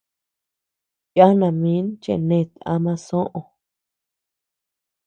Yana min chenet ama soʼö.